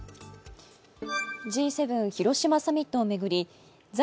Ｇ７広島サミットを巡り在